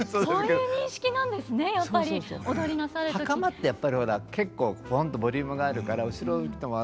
袴ってやっぱりほら結構ぼんってボリュームがあるから後ろ行っても。